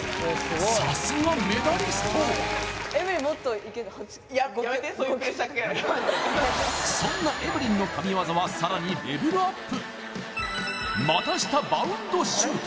さすがメダリストいやそんなエブリンの神業はさらにレベルアップ